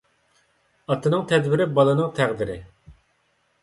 ئاتىنىڭ تەدبىرى بالىنىڭ تەقدىرى.